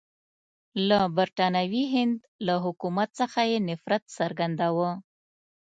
د برټانوي هند له حکومت څخه یې نفرت څرګندوه.